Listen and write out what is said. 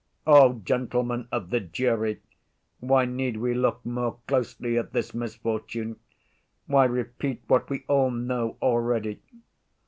"Oh, gentlemen of the jury, why need we look more closely at this misfortune, why repeat what we all know already?